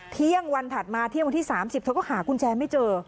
เที่ยงวันถัดมาเที่ยงวันที่๓๐เธอก็หากุญแจไม่เจอ